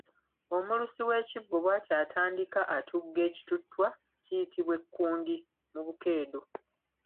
Omulusi w’ekibbo bwata atandika atugga ekituttwa kiyitibwa Ekkundi mu bukeedo.